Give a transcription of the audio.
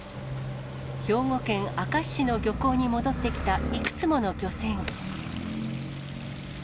兵庫県明石市の漁港に戻ってきたいくつもの漁船。